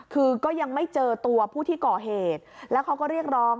คือก็ยังไม่เจอตัวผู้ที่ก่อเหตุแล้วเขาก็เรียกร้อง